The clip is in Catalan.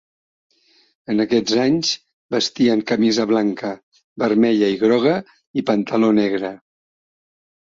En aquests anys vestien camisa blanca, vermella i groga i pantaló negre.